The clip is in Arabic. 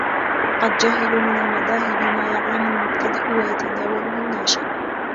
وَقَدْ جَهِلُوا مِنْ الْمَذَاهِبِ مَا يَعْلَمُ الْمُبْتَدِئُ وَيَتَدَاوَلُهُ النَّاشِئُ